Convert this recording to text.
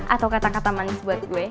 atau kata kata manis buat gue